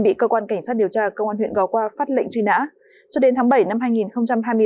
bị cơ quan cảnh sát điều tra công an huyện gò qua phát lệnh truy nã cho đến tháng bảy năm hai nghìn hai mươi ba